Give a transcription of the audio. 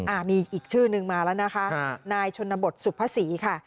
อ่ามีอีกชื่อนึงมาแล้วนะคะนายชนบทสุภาษีค่ะ